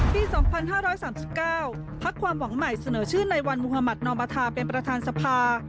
ปี๒๕๓๙พักความหวังใหม่เสนอชื่อในวันมุธมัธนอมธาเป็นประธานสภา